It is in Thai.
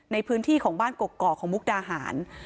ในพื้นที่ของบ้านกกอกของมุกดาหาร